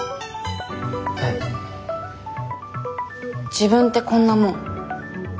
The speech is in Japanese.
自分ってこんなもん。